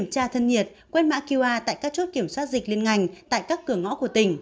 các dịch liên ngành tại các cửa ngõ của tỉnh